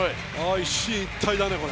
一進一退だね、これ。